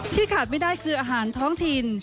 ขาดไม่ได้คืออาหารท้องถิ่น